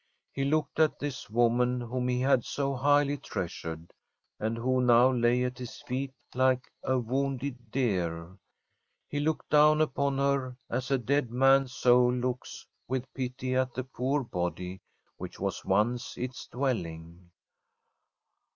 He looked at this woman whom he had so highly treasured, and who now lay at his feet like a wounded deer — ^he looked down upon her as a dead man's soul looks with pity at the poor body which was once its dwell ing.